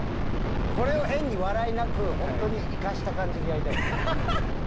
これを変に、笑いなくいかした感じでやりたい。